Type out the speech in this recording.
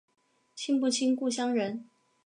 亲不亲故乡人